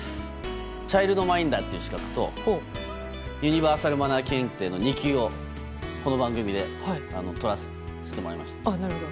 チャイルドマインダーという資格とユニバーサルマナー検定の２級をこの番組で取らせてもらいました。